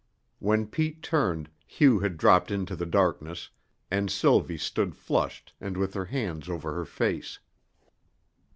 When Pete turned, Hugh had dropped into the darkness, and Sylvie stood flushed and with her hands over her face.